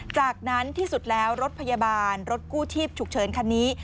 จากนั้นที่สุดแล้วรถพยาบาลรถกู้ชีพฉุกเฉินคันนี้